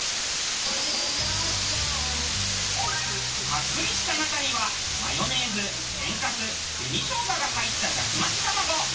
ぱっくりした中にはマヨネーズ天かす紅しょうがが入っただし巻き卵。